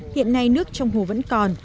hiện nay nước trong hồ vẫn còn